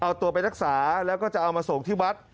เอาตัวไปรักษาแล้วก็จะเอามาส่งที่วัด